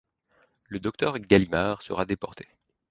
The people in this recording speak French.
Le docteur Galimard sera déporté.